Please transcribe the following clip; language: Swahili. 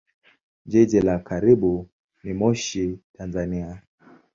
Jiji la karibu ni Moshi, Tanzania.